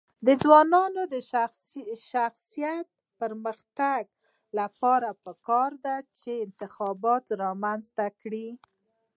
د ځوانانو د شخصي پرمختګ لپاره پکار ده چې انتخابونه رامنځته کړي.